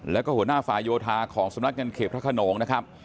แล้วก็หัวหน้าฝ่ายโยธาของสำนักงานเขตพระขนงนะครับ